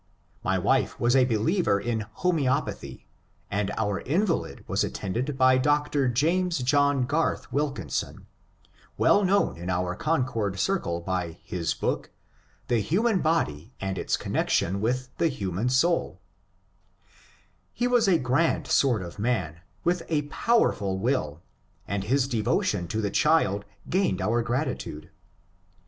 My wife was a believer in homoeopathy, and our invalid was attended by Dr. James John Oarth Wilkinson, well known in our Concord circle by his book, *^ The Human Body and its Connection with the Human SouL" He was a grand sort of man, with a powerful will, and his devotion to the child gained our grati tude.